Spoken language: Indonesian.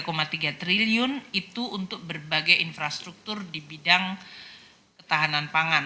rp satu tiga triliun itu untuk berbagai infrastruktur di bidang ketahanan pangan